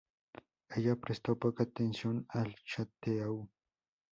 Ella prestó poca atención al château.